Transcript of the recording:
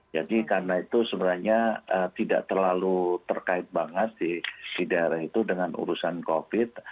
jadi karena itu sebenarnya tidak terlalu terkait banget di daerah itu dengan urusan covid